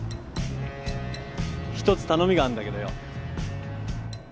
一つ頼みがあんだけどよ。